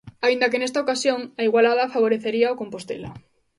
Aínda que nesta ocasión, a igualada favorecería o Compostela.